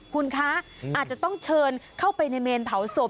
คุณคะอาจจะต้องเชิญเข้าไปในเมนเผาศพ